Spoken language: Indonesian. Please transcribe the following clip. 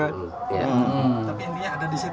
posisi tidurnya nggak inget